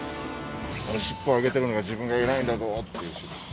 尻尾上げてるのが自分が偉いんだぞっていう。